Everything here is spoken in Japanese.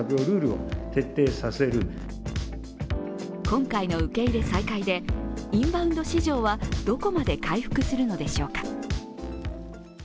今回の受け入れ再開でインバウンド市場はどこまで回復するのでしょうか。